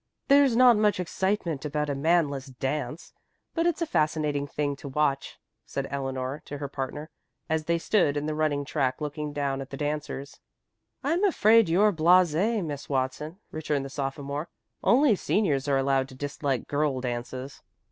"There's not much excitement about a manless dance, but it's a fascinating thing to watch," said Eleanor to her partner, as they stood in the running track looking down at the dancers. "I'm afraid you're blasé, Miss Watson," returned the sophomore. "Only seniors are allowed to dislike girl dances."